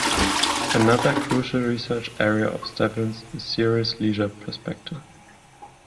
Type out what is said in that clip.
Another crucial research area of Stebbins is serious leisure perspective.